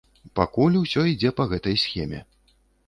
Пакуль усё ідзе па гэтай схеме.